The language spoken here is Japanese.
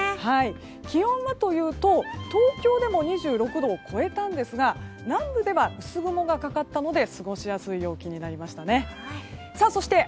気温はというと東京でも２６度を超えたんですが南部では薄雲がかかったので過ごしやすい陽気になりましたね。